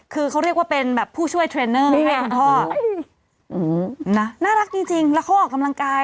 คือเขาเรียกว่าเป็นแบบผู้ช่วยเทรนเนอร์ให้คุณพ่อน่ารักจริงแล้วเขาออกกำลังกาย